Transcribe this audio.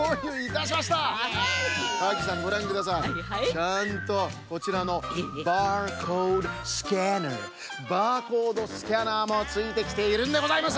ちゃんとこちらのバーコードスキャナーバーコードスキャナーもついてきているんでございます！